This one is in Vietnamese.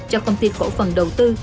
cho công ty cổ phần đầu tư